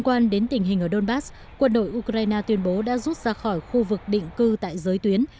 quan đến tình hình ở donbass quân đội ukraine tuyên bố đã rút ra khỏi khu vực định cư tại giới tuyến